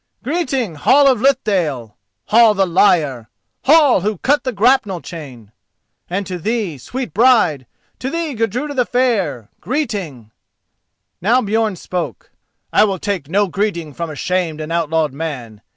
Greeting, Hall of Lithdale, Hall the liar—Hall who cut the grapnel chain! And to thee, sweet Bride, to thee Gudruda the Fair, greeting!" Now Björn spoke: "I will take no greeting from a shamed and outlawed man.